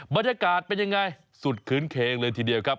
บรรยากาศเป็นยังไงสุดคืนเคงเลยทีเดียวครับ